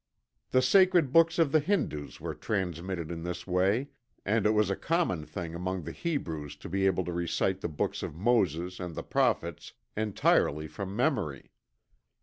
The sacred books of the Hindus were transmitted in this way, and it was a common thing among the Hebrews to be able to recite the books of Moses and the Prophets entirely from memory.